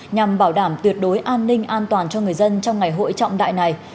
nhằm bảo đảm tuyệt đối an ninh an toàn cho người dân trong ngày hội trọng đại này